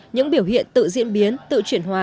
những biểu hiện tự diễn biến tự chuyển hóa